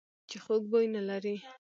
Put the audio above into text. چې خوږ بوی نه لري .